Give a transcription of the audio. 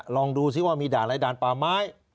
ลองดูซิว่ามีด่านอะไรด่านป่าไม้